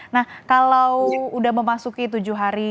nah kalau sudah memasuki tujuh hari